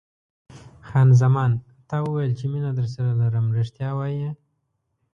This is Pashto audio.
خان زمان: تا وویل چې مینه درسره لرم، رښتیا وایې؟